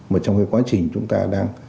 mà trong cái quá trình chúng ta đang